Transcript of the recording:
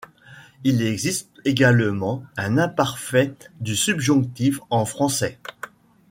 Il existe également un imparfait du subjonctif en français.